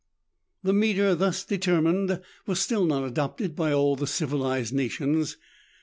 The metre, thus determined, was still not adopted by all the civilized nations.